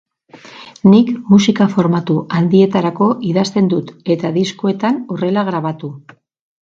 Nik musika formatu handietarako idazten dut eta diskoetan horrela grabatu.